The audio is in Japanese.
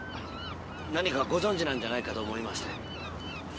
何かご存じなんじゃないかと思いまして。